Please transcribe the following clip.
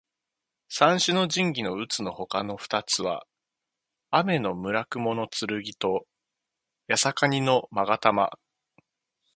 三種の神器のうつのほかの二つは天叢雲剣と八尺瓊勾玉。